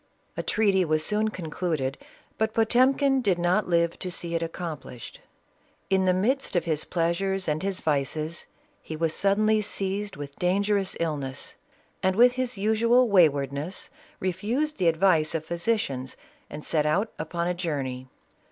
A treaty was soon concluded, but Potemkin did not live to see it accomplishes. In the midst of his pleasures and hi.s vices, he was suu^.nlv seized with dangerous illness, and with his usual waj vardness, refused the advice of physicians and set out upon a journey.